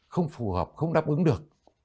không phù hợp không đáp ứng được